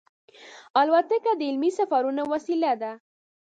الوتکه د علمي سفرونو وسیله ده.